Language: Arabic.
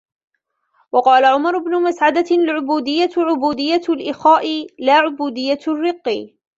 وَقَالَ عُمَرُ بْنُ مَسْعَدَةَ الْعُبُودِيَّةُ عُبُودِيَّةُ الْإِخَاءِ لَا عُبُودِيَّةُ الرِّقِّ